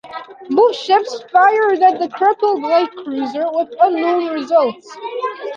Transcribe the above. Both ships fired at the crippled light cruiser with unknown results.